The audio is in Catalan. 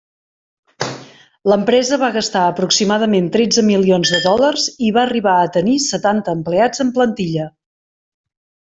L'empresa va gastar aproximadament tretze milions de dòlars i va arribar a tenir setanta empleats en plantilla.